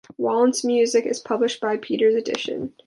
Wallen's music is published by Peters Edition.